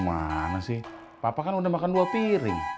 mana sih papa kan udah makan dua piring